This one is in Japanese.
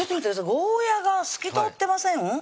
ゴーヤが透き通ってません？